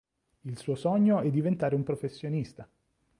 Il suo sogno è diventare un professionista.